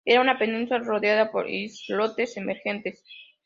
Era una península rodeada por islotes emergentes.